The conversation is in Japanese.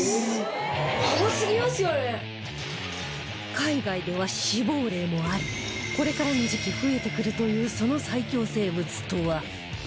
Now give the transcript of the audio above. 海外では死亡例もありこれからの時期増えてくるというその最恐生物とは？